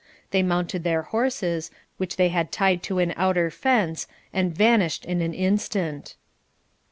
They mounted their horses, which they had tied to an outer fence, and vanished in an instant.